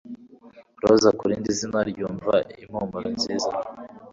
Roza ku rindi zina ryumva impumuro nziza.